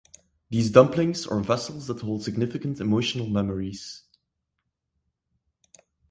These dumplings are vessels that hold significant emotional memories.